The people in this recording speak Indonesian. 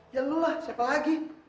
ya lo lah siapa lagi